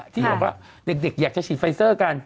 ที่บอกว่าเด็กอยากจะฉีดไฟเซอร์กัน